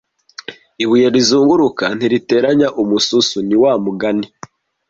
"Ibuye rizunguruka ntiriteranya umususu" ni wa mugani.